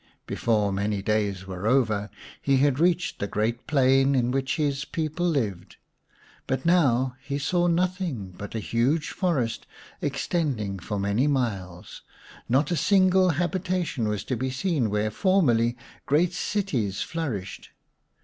Before many days were over he had reached the great plain in which his people lived. But now he saw nothing but a huge forest extending for many miles ; not a single habitation was to be seen where formerly great cities flourished.